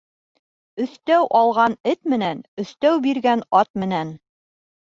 Өҫтәү алған эт менән өҫтәү биргән ат менән.